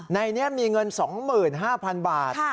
ในนี้มีเงิน๒๕๐๐๐บาท